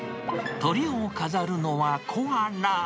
とりを飾るのはコアラ。